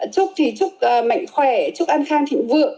chúc mạnh khỏe chúc an khang thịnh vượng